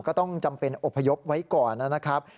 ก็ต้องจำเป็นอบพยพไว้ก่อนนะครับ